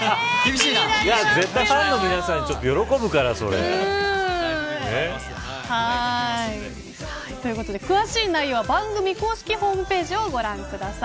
ファンの皆さんということで、詳しい内容は番組公式ホームページをご覧ください。